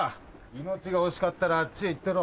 命が惜しかったらあっちへ行ってろ。